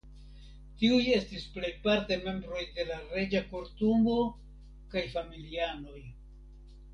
Tiuj estis plejparte membroj de la reĝa kortumo kaj familianoj.